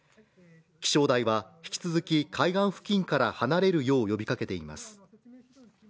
気象台は引き続き海岸付近から離れるよう呼びかけています。